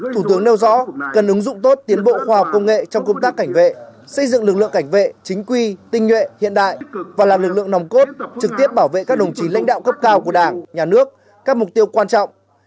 thủ tướng nêu rõ cần ứng dụng tốt tiến bộ khoa học công nghệ trong công tác cảnh vệ xây dựng lực lượng cảnh vệ chính quy tinh nhuệ hiện đại và là lực lượng nòng cốt trực tiếp bảo vệ các đồng chí lãnh đạo cấp cao của đảng nhà nước các mục tiêu quan trọng